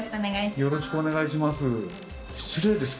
よろしくお願いします